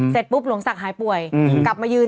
เสร็จปุ๊บหลวงศักดิ์หายป่วยกลับมายืน